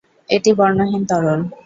এটি বর্ণহীন তরল।